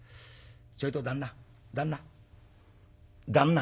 「ちょいと旦那旦那旦那」。